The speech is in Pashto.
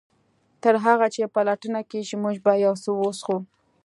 تر هغه چې پلټنه کیږي موږ به یو څه وڅښو